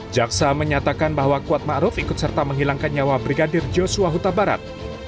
jaksa menyatakan bahwa kuat ma'ruf ikut serta menghilangkan nyawa brigadir joshua huta barat